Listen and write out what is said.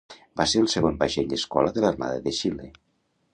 Va ser el segon vaixell escola de l'armada de Xile.